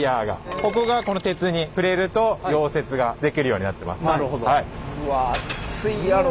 ここが鉄に触れると溶接ができるようになってます。